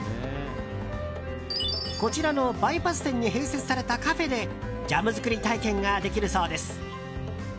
こちらのバイパス店に併設されたカフェでジャム作り体験ができるそうです。